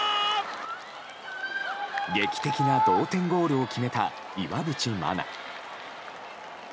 劇的な同点ゴールを決めた岩渕真奈。